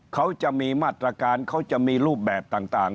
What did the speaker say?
เขาจะมีมาตรการเขาจะมีรูปแบบต่าง